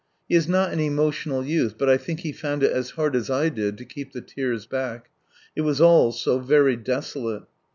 He is not an emotional youth, but I think he found it as hard as I did to keep the tears back ; it was all so very desolate.